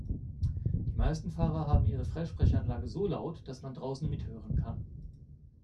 Die meisten Fahrer haben ihre Freisprechanlage so laut, dass man draußen mithören kann.